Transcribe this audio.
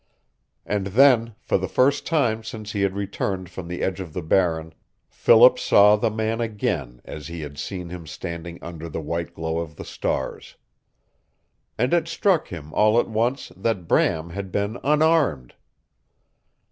And then, for the first time since he had returned from the edge of the Barren, Philip saw the man again as he had seen him standing under the white glow of the stars. And it struck him, all at once, that Bram had been unarmed.